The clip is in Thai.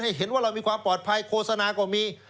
เห็นว่าเรามีความปลอดภัยโฆษณาก็มี